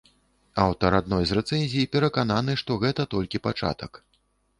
Аўтар адной з рэцэнзій перакананы, што гэта толькі пачатак.